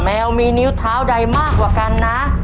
แมวมีนิ้วเท้าใดมากกว่ากันนะ